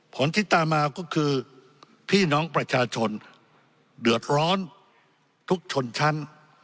ผลที่ตามมาก็คือพี่น้องประชาชนเดือดร้อนทุกชนชั้น